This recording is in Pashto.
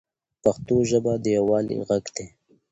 پښتو ژبه د یووالي ږغ دی.